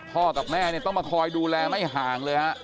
กับแม่เนี่ยต้องมาคอยดูแลไม่ห่างเลยฮะ